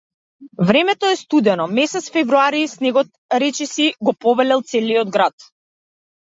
Времето е студено, месец февруари, снегот речиси го побелел целиот град.